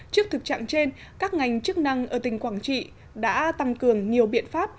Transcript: trước thực trạng trên các ngành chức năng ở tỉnh quảng trị đã tăng cường nhiều biện pháp